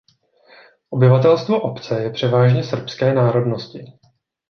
Obyvatelstvo obce je převážně srbské národnosti.